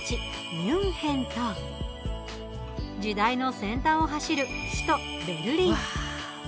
ミュンヘンと時代の先端を走る首都ベルリン。